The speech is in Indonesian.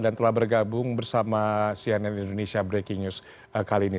dan telah bergabung bersama cnn indonesia breaking news kali ini